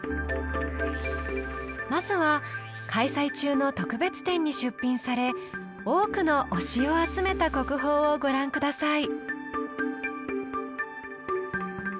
まずは開催中の特別展に出品され多くの「推し」を集めた国宝をご覧下さい。